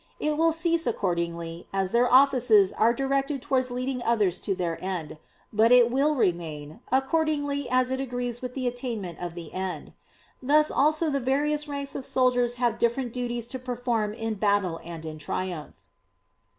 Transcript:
It will cease accordingly as their offices are directed towards leading others to their end; but it will remain, accordingly as it agrees with the attainment of the end. Thus also the various ranks of soldiers have different duties to perform in battle and in triumph.